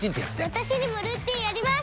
私にもルーティンあります！